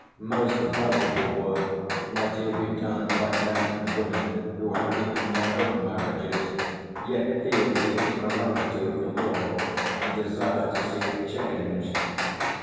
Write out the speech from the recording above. Most valuable work might here be done by men and women who happy in their own marriages yet feel the immorality of the law, and desire to see it changed.